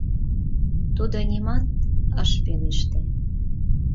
Тудо нимат ыш пелеште.